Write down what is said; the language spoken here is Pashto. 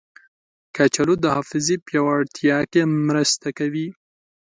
کچالو د حافظې پیاوړتیا کې مرسته کوي.